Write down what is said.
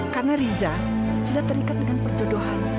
karena riza sudah terikat dengan perjodohan